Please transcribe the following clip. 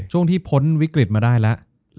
ช่วงที่พ้นวิกฤตมาได้แล้ว